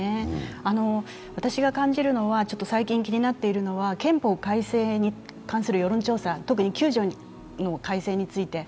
私が感じるのは、最近気になっているのは憲法改正に関する世論調査、特に９条の改正について。